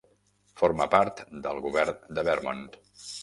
Forma part del govern de Vermont.